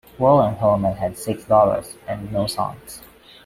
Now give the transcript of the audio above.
William Hillman had six daughters and no sons.